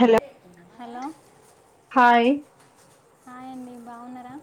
Hello hello hi hi అండి బాగున్నారా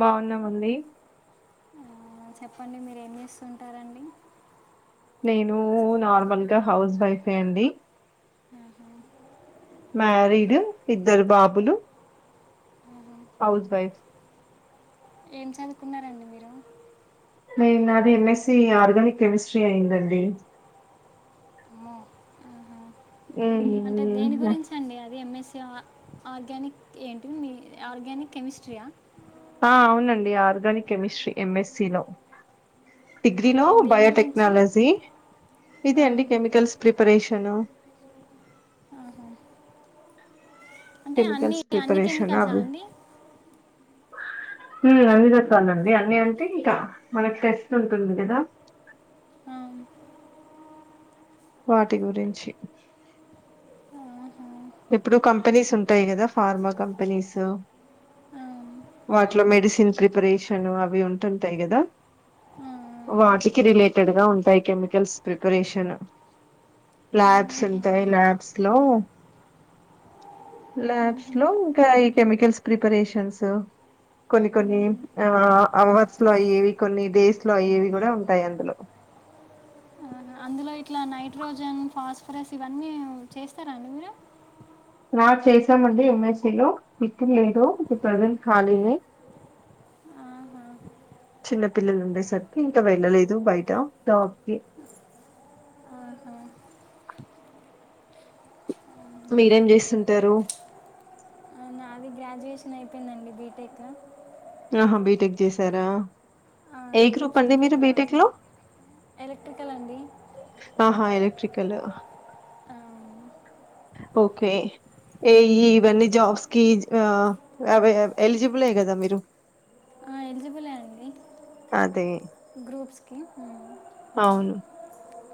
బాగున్నామండి చెప్పండి మీరు ఏం చేస్తుంటారండి నేను నార్మల్గా హౌస్ వైఫే అండి ఆహా మ్యారీడ్ ఏ- ఇద్దరు బాబులు ఆహా. హౌస్ వైఫ్ ఏం చదువుకున్నారండి మీరు నేను నాది ఎంఎస్సి ఆర్గానిక్ కెమిస్ట్రీ అయిందండి అమ్మో ఆహా. అంటే దేని హ్మ్. గురించి అండి అది ఎంఎస్ సి ఆర్గానిక్ ఏంటి మీ ఆర్గానిక్ కెమిస్ట్రీ యా ఆ అవునండి ఆర్గానిక్ కెమిస్ట్రీ ఎంఎస్సీలో డిగ్రీ లో అంటే దేని గురించి బయోటెక్నాలజీ ఆ, ఇది అండి కెమికల్స్ ప్రిపరేష షన్ ఆహ అంటే అన్ని కెమికల్స్ అన్ని ప్రిపరేషన్ కెమికల్సా అవి. అండి ఉమ్ అందుకస్తానండి అన్నీ అంటే ఇంకా మనకి టెస్ట్ ఉంటుంది కదా అవును వాటి గురించి ఆహా. ఎప్పుడు కంపెనీస్ ఉంటాయి కదా ఫార్మా కంపెనీస్ ఆ, వాటిలో మెడిసిన్ ప్రిపరేషన్ అవి ఉంటుంటాయి కదా ఆ, ఆహా. వాటికి రిలేటెడ్ గా ఉంటాయి కెమికల్స్ ప్రిపరేషన్ ల్యాబ్స్ ఉంటాయి ల్యాబ్స్ లో మ్మ్హ. ల్యాబ్స్ లో ఇంకా ఈ కెమికల్స్ ప్రిపరేషన్స్ కొన్ని కొన్ని మ్మ్హ. ఆ అవర్స్ లో అయ్యేవి కొన్ని డేస్ లో అయ్యేవి కూడా ఉంటాయి అందులో ఆహా అన్ దులో ఇట్లా నైట్రోజన్ ఫాస్ఫరస్ ఇవన్నీ చేస్తారా అండి మీరు ఆ చేసామండి ఏం యస్ ఈ లో ఇప్పుడు లేదు ఇప్పుడు ప్రజెంట్ ఖాళీనే అ చిన్న పిల్లలు ఉండే సరికి ఇంకా వెళ్ళలేదు బయట షాప్కీ ఆహా ఆహా. మీరేం చేస్తుంటారు నాది గ్రాడ్యుయేషన్ అయిపోయిందండి బీటెక్ ఆహా బీటెక్ చేసారా ఏ గ్రూప్ గ్రూప్స్ కి అండి మీరు ప్రిపేర్ బీటెక్ అవుతున్నా లో ఎలక్ట్రికల్ అండి ఆహా! ఎలక్ట్రికల్ ఆ మ్ ఓకే ఏఈ ఇవన్నీ జాబ్స్ కి ఆ ఎలిజిబులే గదా మీరు ఆ ఎలిజ అది గ్రూప్స్కి ఉమ్. అవును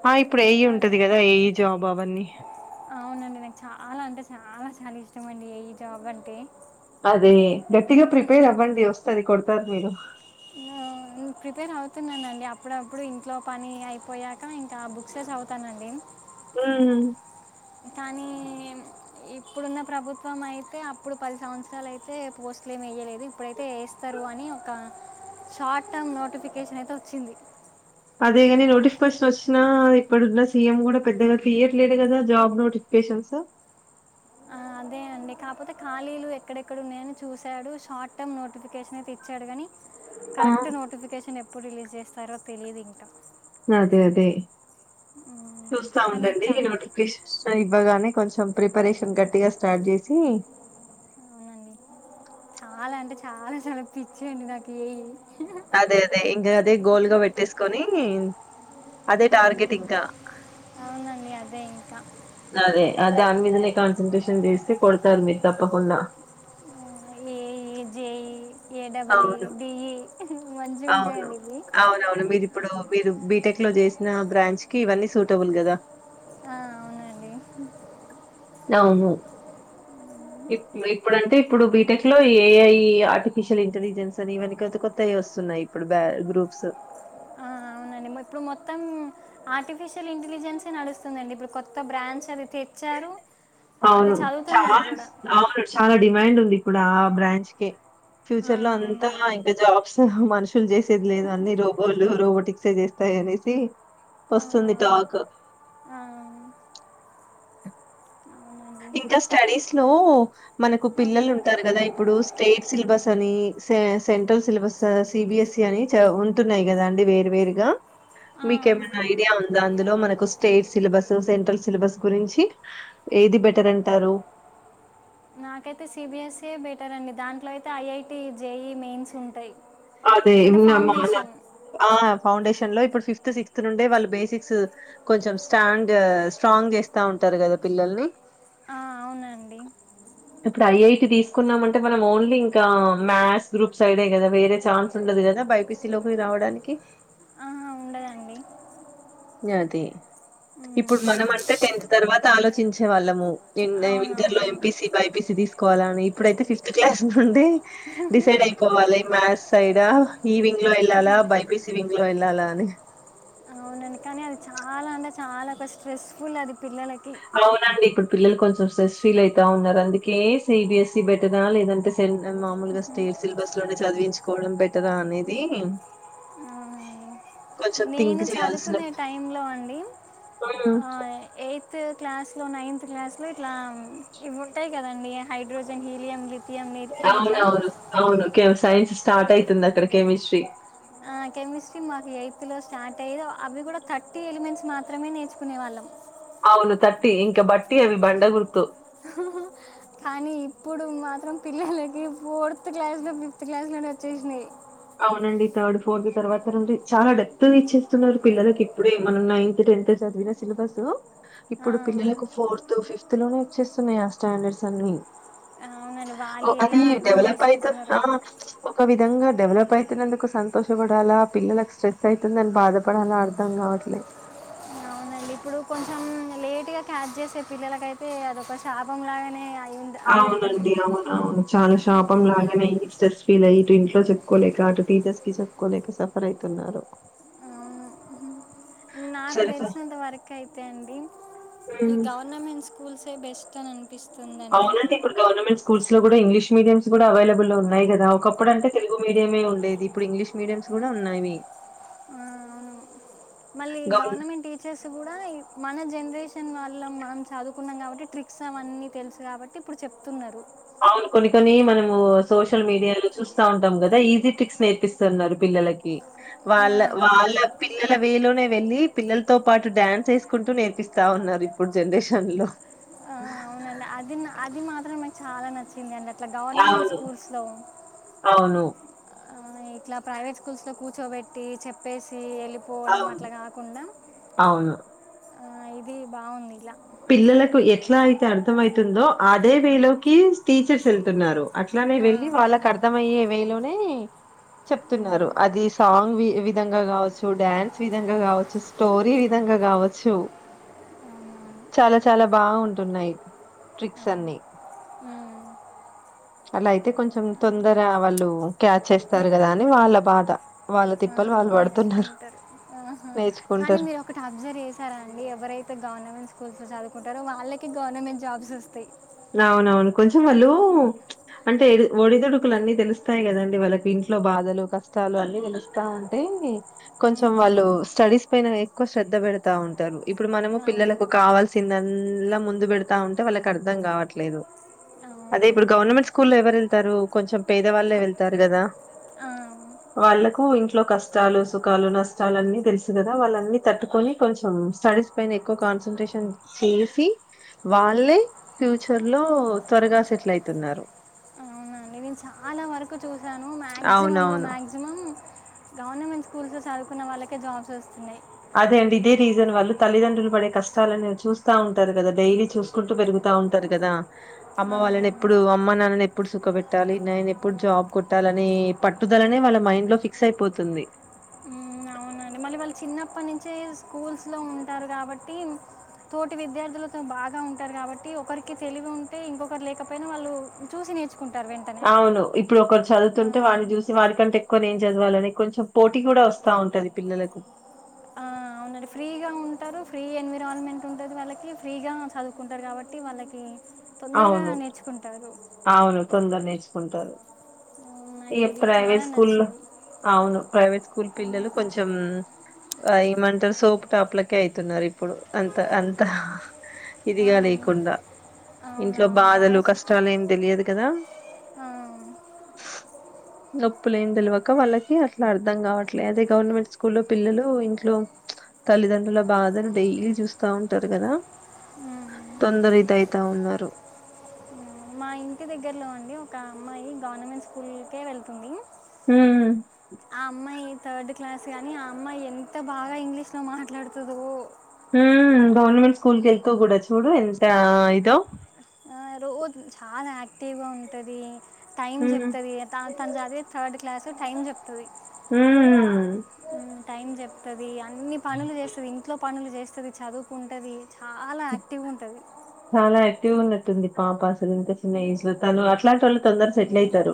ఆ ఇప్పుడు ఏఈ ఉంటది థా- గదా ఏఈ జాబ్ అవన్నీ అవునండి నాకు చాలా అంటే చాలా చాలా ఇష్టం అండి ఏఈ జాబ్ అంటే అదే గట్టిగా ప్రిపేర్ అవ్వండి వస్తది కొడతరు మీరు ప్రిపేర్ అవుతున్నానండి అప్పుడప్పుడు ఇంట్లో పని అయిపోయాక ఇంకా బుక్స్ చదువుతానండి మ్ కానీ ఇప్పుడున్న ప్రభుత్వం అయితే అప్పుడు పది సంవత్సరాలు అయితే పోస్ట్ స్ట్లు ఏం వేయలేదు ఇప్పుడైతే ఎస్తరు అని ఒక షార్ట్ టర్మ్ నోటిఫికేషన్ అయితే వచ్చింది అదేగాని నోటిఫికేషన్ వచ్చిన ఇప్పుడున్న సీఎం గూడా పెద్దగా తీయట్లేదు కదా జాబ్ నోటిఫి కేషన్స్ ఆ అదే అండి కాపోతే ఖాళీలు ఎక్కడెక్కడ ఉన్నాయని చూసాడు షార్ట్ టర్మ్ నోటిఫికేషన్ అయితే ఇచ్చాడు గాని ఆ! కరెక్ట్ నోటిఫికేషన్ ఎప్పుడు రిలీజ్ చేస్తారో తెలియదు ఇంకా అదే అదే ఉమ్, చూస్తా కానీ నాకు ఉండండి చా నోటిఫికేషన్ ఇవ్వగానే కొంచెం ప్రిపరేషన్ గట్టిగా స్టార్ట్ జేసి చాలా అంటే చాలా చాలా పిచ్చి అండి నాకు ఏఈ అదే అదే ఇంకా అదే గోల్ గా పెట్టేసుకొని అదే టార్గెట్ ఇంకా అవునండి అదే ఇంకా అదే దానిమీదనే కాన్సంట్రేషన్ జేస్తే కొడతారు మీరు తప్పకుండా ఏఈ జేఈ ఏడబుల్ఈ అవును. డిఈ మంచిగా అవును ఉంటాయండి ఇవి అవునవును మీరిప్పుడు మీరు బీ టెక్ లో చేసిన బ్రాంచ్ కి ఇవన్నీ సూటబుల్ గదా ఆ అవునండి అవును అ [inaudible] ఇప్పుడుంటే ఇప్పుడు బీటెక్ లో ఏఐ ఆర్టిఫిషియల్ ఇంటెలిజెన్స్ అని ఇవన్ని కొత్త కొత్తయి వస్తున్నయి ఉన్నాయి ఇప్పుడు బ గ్రూప్స్ ఆ అవునండి ఇప్పుడు మొత్తం ఆర్టిఫిషియల్ ఇంటెలిజెన్సే నడుస్తుందండి ఇప్పుడు కొత్త బ్రాంచ్ అది తెచ్చారు అది అవును చాలా చదువుతున్నారు కూడా అవును చాలా డిమాండ్ ఉంది ఇప్పుడు ఆ బ్రాంచ్ కె ఆ, ఫ్యూచర్ లో అంతా అవునండి ఇంకా జాబ్స్ మ నుషులు చేసేది లేదు అన్ని రోబోలు రోబోటి చేస్తాయనేసి వస్తుంది అవునవును టాక్ ఆ, అవునండి ఇంకా స్టడీస్ లో మనకు ఆ, పిల్లలు ఉంటారు గదా ఇప్పుడు స్టేట్ సిలబస్ అని సె సెంట్రల్ సిలబస్ సిబిఎస్ఈ అని చ ఉంటున్నాయి గదా అండి వేర్ వేరుగా ఆ, మీకు ఏమైనా ఐడియా ఉందా అందులో మనకు స్టేట్ సిలబస్ సెంట్రల్ సిలబస్ గురించి ఏది బె బెటర్ అంటారు నాకైతే సిబిఎస్ఏ బెటర్ అండి దాంట్లో అయితే ఐఐటి జేఈ మెయిన్స్ ఉంటాయి అదే అంటే ఇంకా మన ఫౌండేషన్ ఆ ఫౌండేషన్ లో ఇప్పుడు ఫిఫ్త్ సిక్త్స్ నుండే వాళ్ళు బేసిక్స్ కొంచెం స్టాండ్ స్ట్రాంగ్ చేస్తా ఉంటారు చేస్తారు గదా పిల్లల్ని ఆ అవునండి ఇప్పుడు ఐఐటీ తీసుకున్నామ అంటే మనం ఓన్లీ ఇంకా మ్యాథ్స్ గ్రూప్ సైడే కదా వేరే ఛాన్స్ ఉండదు కదా బైపీసి లోకి రావడానికి ఆహా ఉండదండి అ అదే ఇప్పుడు మనం అంటే టెన్త్ తర్వాత ఆలోచించే వాళ్ళము ఇంటర్ లో అవునవును ఎంపీసి బైపీసి తీసుకోవాలని తీసు ఇప్పుడతే ఫిఫత్ క్లాస్ నుడి డిసైడ్ అయిపోవాలి మాథ్స్ సైడ్ ఆహ్ వింగ్ లో వెళ్లాలా బైబసివింగ్ లో వెళ్లాలా అని అవునా చాలా ఒక స్ట్రెస్ఫుల్ అది పిల్లలకి అవునండి ఇప్పుడు పిల్లలు కొంచెం సెస్ ఫీల్ అయితా ఉన్నారు అందుకే సిబిఎస్ఈ బెటర్ ఆ లేదంటే మామూలుగా స్టే సిలబస్ లోనే చదివించుకోవడం బెటర్ ఆ అనేది ఆ కొంచెం థింక్ నేను చేయాల్సిన చదువుకునే టైం లో అండి హ్మ్. ఎ త్ క్లాస్ లో నైన్త్ క్లాస్ లో ఇట్లా ఇవి ఉంటాయి కదండి హైడ్రోజన్ హీలియం లిథియం ని- ఇట్లా అవునవును అవును సైన్స్ స్టార్ట్ అవుతుంది అక్కడ కెమిస్ట్రీ ఆ కెమిస్ట్రీ మాకు ఎయిత్ లో స్టార్ట్ అయ్యేద్ ఒ అవి కూడా థర్టీ ఎలిమెంట్స్ మాత్రమే నేర్చుకునే వాళ్ళం అవును తట్టి ఇంక బట్టి అవి బండ గుర్తు కానీ ఇప్పుడు మాత్రం పిల్లలకి ఫోర్త్ క్లాస్ లో ఫిఫ్త్ క్లాస్ లోనే వచ్చేసినయ్ అవునండి థర్డ్ ఫోర్త్ తర్వాత నుండి చానా డెప్త్ గా ఇచ్చేస్తున్నారు పిల్లలకి ఇప్పుడే మనం నైన్త్ టెన్త్ చ దిన సిలబసు ఆ, ఇప్పుడు పిల్లలకు ఫోర్త్ ఫిఫ్త్ లోనే వచ్చేస్తున్నాయి ఆ స్టాండర్డ్స్ అన్ని ఆవునండి వాల్ ఒ అది డెవలప్ అయిత ఆ ఒక విధంగా డెవలప్ ప్పయితునందుకు సంతోషపడాలా పిల్లలకు స్ట్రెస్ ఐతుందని బాధపడాలా అర్ధం కావట్లే అవునన్ ఇప్పుడు కొంచెం లేట్ గా క్యాచ్ చేసే పిల్లలకైతే అదొ ఒక శాపం లాగానే అయ్ అవునండి అవున అవును చాలా ష్ శాపంలాగానే స్ట్రెస్ ఫీల్ అయ్యి ఇటు ఇంట్లో చెప్పుకోలేక అటు టీచర్స్ కి చెప్పుకోలేక సఫర్ ఐతున్నారు ఆవును ఉహు నాకు సరిపా తెలిసినంత వరకు అయితే అండి ఈ హ్మ్. గవర్నమెంట్ స్కూల్స్ ఏ బెస్ట్ అని అన్ అవునండి ఇప్పుడు గవర్నమెంట్ స్కూల్స్ లో కూడా ఇంగ్లీష్ మీడియమ్స్ కూడా అవైలబుల్ ఉన్నాయి కదా ఒకప్పుడు అంటే తెలుగు మీడియమే ఉండేది ఇప్పుడు ఇంగ్లీష్ మీడియమ్స్ కూడా ఉన్నవి ఆ అవును మళ్ళీ గవర్నమెంట్ టీచర్స్ కూడా ఇ మన జనరేషన్ వాలం మనం చదువుకున్నాం కాబట్టి ట్రిక్స్ అవన్నీ తెలుసు కాబట్టి ఇప్పుడు చెప్తున్నరు అవును కొన్ని కొని మనము సోషల్ మీడియాలో చూస్తా ఉంటాం కదా ఈజీ ట్రిక్స్ నేర్పిస్తన్నారు పిల్ల లకి నా వాళ్ళ వాళ్ళ పిల్లల వేలోనే వెళ్ళి పిల్లలతో పాటు డ్యాన్స్ వేసుకుంటూ నేర్పిస్తా ఉన్నారు ఇప్పుడు జనరేషన్ లో ఆ, ఆహ అవునండి అది నా అది మాత్రం నాకు చాలా నచ్చింది అండి అట్ ఇట్లా గవర్నమెంట్ అవును. స్కూల్స్లో అవును. ఆ ఇట్లా ప్రైవేట్ స్కూల్స్ లో కూర్చోబెట్టి చెప్పేసి ఎల్ వెళ్ళిపోవడం అవును. అట్లా కాకుండా అవును. ఆ ఇది బాగుంది ఇలా పిల్లలకు ఎట్లా అయితే అర్థం ఐతుందో అదే వే లోకి టీచర్స్ వెళ్తున్నారు అట్లానే ఆ, వెళ్ళి వాళ్ళకు అర్థ అయ్యే వేలోనే చెప్తున్నారు అది సాంగ్ వి విధంగా కావచ్చు డాన్స్ విధంగా కావచ్చు స్టోరీ విధంగా గా కావచ్చు అవునా చాలా చాలా బా వుంటున్నయ్ ట్రిక్స్ అవును. అన్ని మ్మ్. అలా అయితే కొంచెం తొందరగా వాళ్ళు క్యాచ్ చేస్తారు నే- కదా అని వాళ్ళ బాధ వాళ్ళ ఆ, తిప్పలు వాల్ వడుతున్నరు నేర్చుకుంటారు ఆహా. నేర్చ్ కానీ మీరు ఒకటి అబ్జర్వ్ చేసారండి ఎవరైతే గవర్నమెంట్స్ స్కూల్స్ లో చదుకుంటరు వాళ్ళకె గవర్నమెంట్ జాబ్స్ వస్తాయి అవునవును కొంచెం వాళ్ళు ఆహా. అంటే ఎడి ఒడిదుడుకులు అన్నీ తెలుస్తాయి కదండి వాళ్ళకి ట్లో బాధలు కష్టాలు అన్ని తెలుస్తా ఉంటే కొంచెం అవును. వాళ్ళు స్టడీస్ పైన ఎక్కువ శ్ర ద పెడతా ఉంటారు ఇప్పుడు మనము అవును. పిల్లలకు కావాల్సిందల్ల ముందు పెడతా ఉంటే వాళ్ళకి అర్ అర్ధం కావట్లేదు అదే అవును. ఇప్పుడు గవర్నమెంట్ స్కూల్ లో ఎవరు వెళ్తారు కొంచెం పేద వాళ్ళే వెళ్తారు కదా అవును వాళ్ళకు ఇంట్లో కష్టాలు సుఖాలు నష్టాలు అన్ని తెలుసు కదా వాళ్ళన్ని తట్టుకొని కొంచెం స్టడీస్ పైన ఎక్కువ కాన్సన్ట్రేషన్ చేసి వాళ్ళే ఫ్యూచర్ లో త్వరగా సెటిల్ ఐతున్నరు అవునండి నేను చాలా వరకు చూసాను మాక్సిమం లో మాక్సిమం గవర్నమెంట్ స్కూల్స్ లో చదువుకున్న వాళ్ళకే జాబ్స్ వస్తున్నాయి అదే అండి ఇదే రీజన్ వాళ్ళు తల్లిదండ్రులు పడ కష్టాలని చూస్తా ఉంటారు కదా డైలీ చూసుకుంటూ పెరుగుతారు ఉంటారు కదా అమ్మ వాళ్ళని ఆ. ఎప్పుడు అమ్మ నాన్నని ఎప్పుడు సుఖ పెట్టాలి నేను ఎప్పుడు జాబ్ కొట్టాలి ఆని పట్టుదలనే వాళ్ళ మైండ్ లో ఫిక్స్ అయిపోతుంది ఉ అవునండి మ వాళ్ళు చిన్నప్పటి నుంచే స్కూల్స్ లో ఉంటారు కాబట్టి తోటి విద్యార్థులతో బాగా ఉం టారు కాబట్టి ఒకరికి తెలివి ఉంటే ఇంకొకరు లేకపోయినా వాళ్ళు చూసి నేర్చు అవును ఇప్పుడు ఒకరు చదువుతుంటే హ్మ్. వారిని చూసి వారి కంటే ఏక్ కొని ఏం చదవాలని కొంచెం పోటీ కూడా వస్తా ఉంటది పిల్లలకు ఆ అవుండి ఫ్రీగా ఉ టారు ఫ్రీ ఎన్విరాన్మెంట్ ఉంటది వాళ్ళకి ఫ్రీగా చదువుకుంటారు కాబట్టి వాళ్ళకి తొందరగా అవును. నేర్చుకుంటారు అవును తొందర నేర్చుకుంటారు హ్మ్. ఈ నాకిది ప్రైవేట్ చాలా స్కూల్లో నచ్చింది. అవును ప్రైవేట్ స్కూల్ పిల్లలు కొంచం ఆ ఏమంటారు సోపు టాప్లకే అయితున్నారు ఇప్పుడు అంత అంతా ఇది ఆ! కాదు ఈ కొండ ఇంట్లో అవునవును. బాగా బాధలు స్ కష్టాలు ఏం తెలియదు కదా ఆ! గప్పు లేని తెలివక వాళ్ళకి అట్లా అర్థం కావట్లేదు అదే గవర్నమెంట్ స్కూ లో పిల్లలు ఇంట్లో తల్లిదండ్రుల బాధను డైలీ చూస్తా ఉంటారు కదా హ్మ్. తొందర ఇదైతా ఉన్నారు మా ఇంటి దగ్గరలో అండి ఒక అమ్మాయి గవర్నమెంట్ స్కూల్కే వెళ్తుంది హ్మ్. ఆ అమ్మాయి థర్డ్ క్లాస్ కానీ ఆ అమ్మాయి ఎంత బాగా ఇంగ్లీష్ లో మాట్లాడుతదో హు గవర్నమెంట్ స్కూల్కి వెళ్తూ కూడా చూడు ఎంత ఇదో రోజు చాలా యాక్టివ్గా ఉంటది టైమ్ హ్మ్. చెప్తది తన చదివే థర్డ్ క్లాస్ టైమ్ చెప్తది హ్మ్. హు టైం చెప్ అది అన్ని పనులు చేస్తది ఇంట్లో పనులు చేస్తది చదువుకుంటది చాలా యాక్టివ్ ఉంటది తెలివి ఉన్నట్టుంది పాప అసలు ఇంత చిన్న ఏజ్ లో తను అట్లాంటి వాళ్ళు తొందర సెటిల్ అయతారు.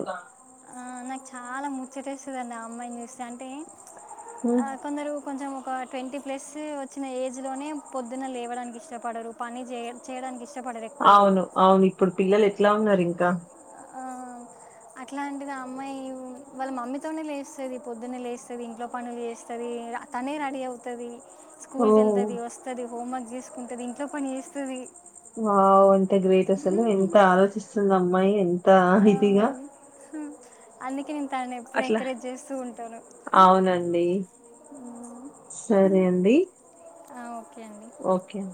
ఆ, నాకు చాలా ముచ్చటేస్తుందండి ఆ అమ్మాయిని చూస్తే అంటే ఆ హ్మ్. కొందరు కొంచెం ఒక ట్వంటీ ప్లస్ వచ్చిన ఏజ్ లోనే పొద్దున లేవడానికి ఇష్టపడరు పని చే చేయడానికి ఇష్టం అవును అవును ఇప్పుడు పిల్లలు ఎట్లా ఉన్నారు ఇంకా ఆ అట్లా అంటిది అమ్మాయి వాళ్ళ మమ్మీతోనే లేస్తది పొద్దున్న లేస్తది ఇంట్లో పనులు చేస్తది తనే రెడీ అవుతది స్కూల్ కి వెళ్తది ఓహ్! వస్తది హోం వర్క్ చేసుకుంటది ఇంట్లో పని చేస్తది వావ్ ఎంత గ్రేట్ అసలు ఎంత ఆలోచిస్తుంది అమ్మాయి ఎ ఆ హితిగా అందుకే నేను తననీ ఎప్పుడు ఎంకరేజ్ చేస్తూ ఉంటాను అవునండి. సరే అండి ఆ ఓకే అండి ఓకే